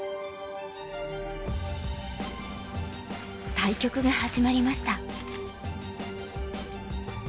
対局が始まりました。